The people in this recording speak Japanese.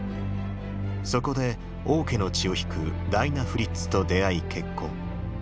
そこで王家の血を引くダイナ・フリッツと出会い結婚。